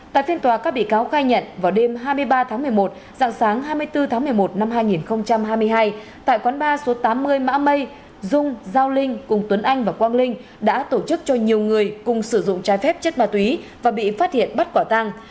tại phiên tòa các bị cáo khai nhận vào đêm hai mươi ba tháng một mươi một dạng sáng hai mươi bốn tháng một mươi một năm hai nghìn hai mươi hai tại quán ba số tám mươi mã mây dung giao linh cùng tuấn anh và quang linh đã tổ chức cho nhiều người cùng sử dụng trái phép chất ma túy và bị phát hiện bắt quả tăng